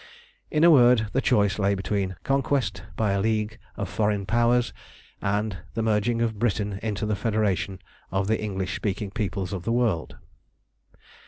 In a word, the choice lay between conquest by a league of foreign powers and the merging of Britain into the Federation of the English speaking peoples of the world.